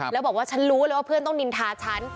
แล้วบอกว่าฉันรู้เลยว่าเพื่อนต้องนินทาฉัน